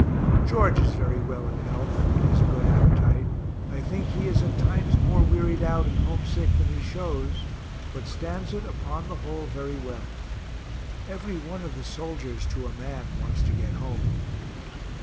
George is very well in health, has a good appetite I think he is at times more wearied out and homesick than he shows, but stands it upon the whole very well. Every one of the soldiers, to a man, wants to get home.